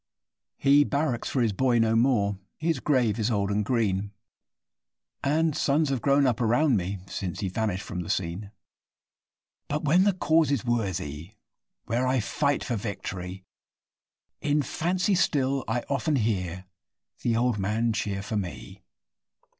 He barracks for his boy no more his grave is old and green, And sons have grown up round me since he vanished from the scene; But, when the cause is worthy where I fight for victory, In fancy still I often hear the old man cheer for me.